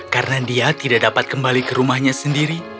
karena dia tidak dapat kembali ke rumahnya sendiri